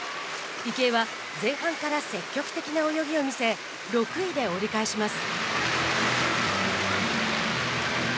池江は、前半から積極的な泳ぎを見せ、６位で折り返します。